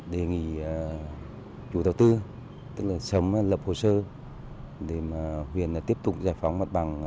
đề nghị chủ đầu tư tức là sớm lập hồ sơ để mà huyện tiếp tục giải phóng mặt bằng